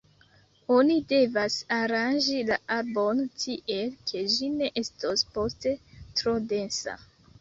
Oni devas aranĝi la arbon tiel, ke ĝi ne estos poste tro densa.